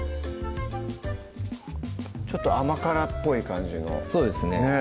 ちょっと甘辛っぽい感じのそうですね